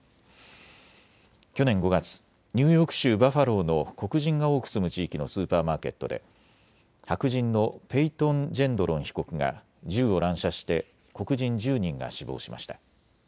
去年５月、ニューヨーク州バファローの黒人が多く住む地域のスーパーマーケットで白人のペイトン・ジェンドロン被告が銃を乱射して黒人１０人が死亡しました。